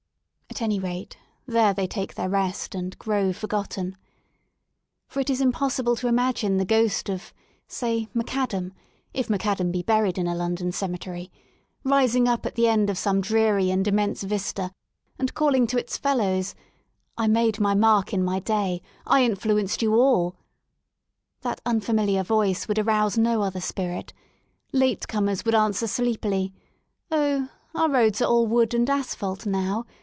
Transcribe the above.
At any rate, there they take their rest and grow for gotten. For it is impossible to imagine the ghost of, say, Macadam, if Macadam be buried in a London cemetery— rising up at the end of some dreary and immense vista, and caUing to its fellows; I made my mark in my day; I influenced you all/' That unfamiliar voice would arouse no other spirit; late comers would answer sleepily: *'Oh, our roads are all wood and asphalte now.